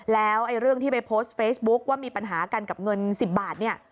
แล้วเรื่องที่ไปโพสต์เฟซบุ๊คว่ามีปัญหากันกับเงิน๑๐บาทเนี่ย